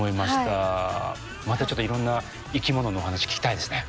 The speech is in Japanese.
またちょっといろんな生きもののお話聞きたいですね。